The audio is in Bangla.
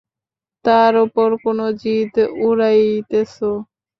তার উপর কেন জিদ উড়াইতেছ?